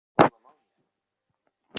আমার স্বামীর এইরকমের কথায় আমার ভারি রাগ হত।